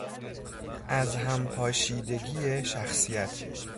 از هم پاشیدگی شخصیت